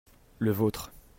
le vôtre.